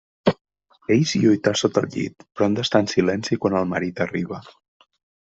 Ells lluitar sota el llit, però han d'estar en silenci quan el marit arriba.